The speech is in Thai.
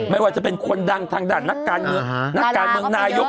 ไม่ว่าจะเป็นคนดังทางด้านนักการเงียบนักการเงียบเกมงนายก